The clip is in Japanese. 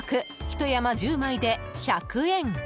ひと山１０枚で１００円！